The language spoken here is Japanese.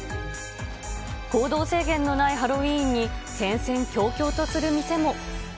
行動制限のないハロウィーンに、戦々恐々とする店も。